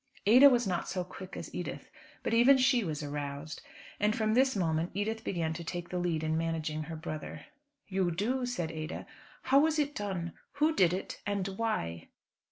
Ada was not so quick as Edith, but even she was aroused. And from this moment Edith began to take the lead in managing her brother. "You do," said Ada. "How was it done? Who did it and why?"